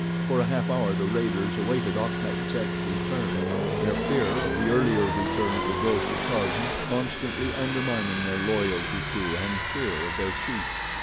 For a half hour the raiders awaited Achmet Zek's return, their fear of the earlier return of the ghost of Tarzan constantly undermining their loyalty to and fear of their chief.